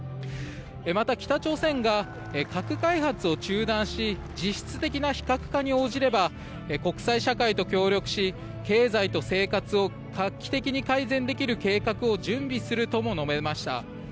また、北朝鮮が核開発を中断し実質的な非核化に応じれば国際社会と協力し、経済と生活を画期的に改善できる計画を準備するとも述べました。